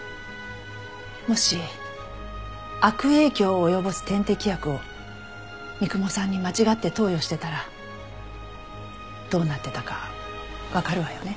もし悪影響を及ぼす点滴薬を三雲さんに間違って投与してたらどうなってたかわかるわよね？